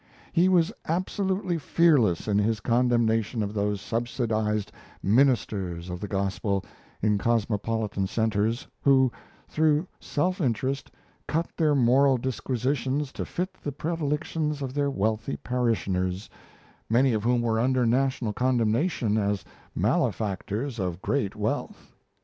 He was absolutely fearless in his condemnation of those subsidized "ministers" of the Gospel in cosmopolitan centres, who, through self interest, cut their moral disquisitions to fit the predilections of their wealthy parishioners, many of whom were under national condemnation as "malefactors of great wealth."